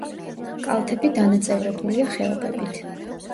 კალთები დანაწევრებულია ხეობებით.